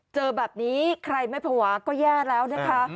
เจอแบบนี้ใครไม่ภาวะก็แย่แล้วนะคะ